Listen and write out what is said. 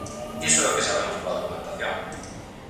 Iso é o que sabemos pola documentación.